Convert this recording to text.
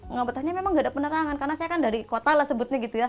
nggak betahnya memang nggak ada penerangan karena saya kan dari kota lah sebutnya gitu ya